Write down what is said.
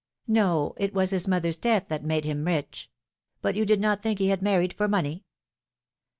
" No, it was his mother's death that made hint rich. But you did not think he had married for money